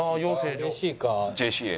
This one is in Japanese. ＪＣＡ。